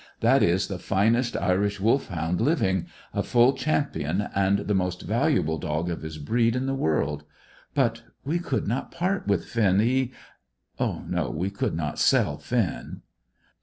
That is the finest Irish Wolfhound living, a full champion, and the most valuable dog of his breed in the world. But we could not part with Finn. He No, we could not sell Finn."